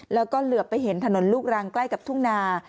แล้วก็เหลือไปเห็นถนนลูกรังใกล้กับทุ่งนา